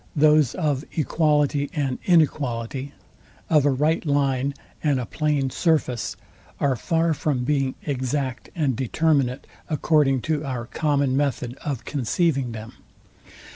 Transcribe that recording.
those of equality and inequality, of a right line and a plain surface, are far from being exact and determinate, according to our common method of conceiving them.